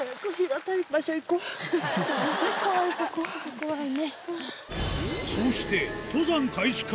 怖いね。